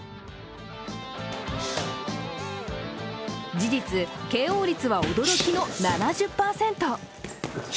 事実、ＫＯ率は驚きの７０％。